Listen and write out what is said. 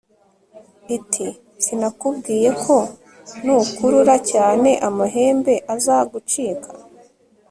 iti sinakubwiye ko nukurura cyane amahembe aza gucika